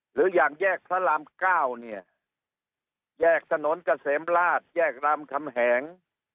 หรืออย่างแยกพระรามเก้าเนี่ยแยกถนนเกษมราชแยกรามคำแหง